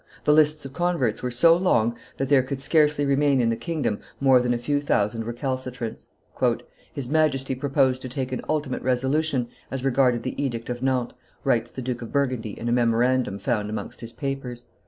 The lists of converts were so long that there could scarcely remain in the kingdom more than a few thousand recalcitrants. "His Majesty proposed to take an ultimate resolution as regarded the Edict of Nantes," writes the Duke of Burgundy in a memorandum found amongst his papers.